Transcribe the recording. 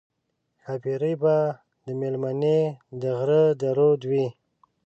ښاپېرۍ به مېلمنې د غره د رود وي